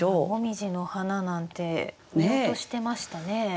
紅葉の花なんて見落としてましたね。